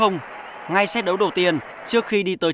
ngay set đấu đầu tiên trước khi đi tới